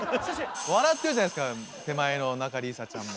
笑ってるじゃないですか手前の仲里依紗ちゃんも。